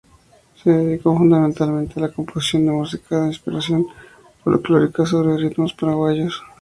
Se dedicó fundamentalmente a la composición de música de inspiración folklórica sobre ritmos paraguayos.